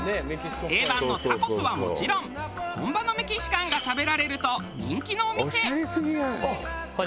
定番のタコスはもちろん本場のメキシカンが食べられると人気のお店。